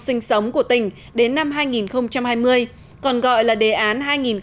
sinh sống của tỉnh đến năm hai nghìn hai mươi còn gọi là đề án hai nghìn hai mươi